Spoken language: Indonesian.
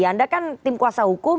anda kan tim kuasa hukum